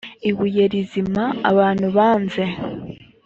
ibuye rizima abantu banze